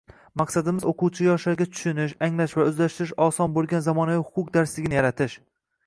Maqsadimiz oʻquvchi yoshlarga tushunish, anglash va oʻzlashtirish oson boʻlgan zamonaviy huquq darsligini yaratish.